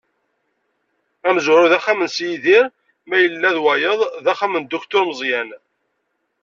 Amezwaru d axxam n si Yidir, ma yella d wayeḍ d axxam n Dduktur Meẓyan.